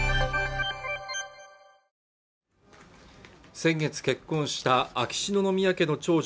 先月結婚した秋篠宮家の長女